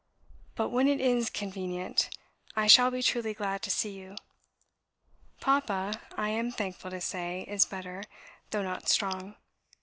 But when it is CONVENIENT, I shall be truly glad to see you. ... Papa, I am thankful to say, is better, though not strong.